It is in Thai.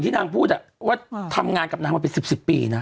พี่แอนพูดอ่ะว่าทำงานกับนางมาเป็น๑๐๑๐ปีนะ